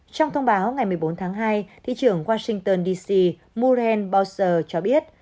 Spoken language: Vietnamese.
trong thông báo ngày một mươi bốn tháng hai thị trưởng washington dc moran bowser cho biết